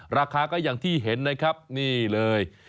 ราคาก็อย่างที่เห็นนะครับนี่เลย